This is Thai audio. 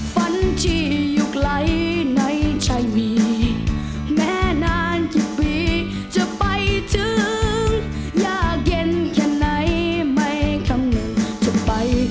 มันจะกินอย่างที่เองไม่มี